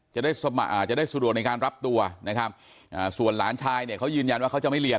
จะได้จะได้สะดวกในการรับตัวนะครับส่วนหลานชายเนี่ยเขายืนยันว่าเขาจะไม่เรียน